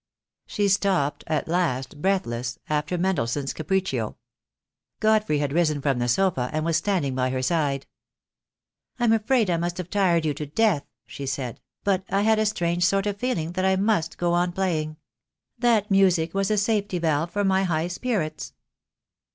She stopped at last, breathless, after Mendelssohn's Capriccio. Godfrey had risen from the sofa and was standing by her side. "I'm afraid I must have tired you to death," she said, "but I had a strange sort of feeling that I must go on playing. That music was a safety valve for my high spirits."